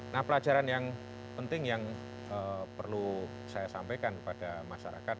nah pelajaran yang penting yang perlu saya sampaikan kepada masyarakat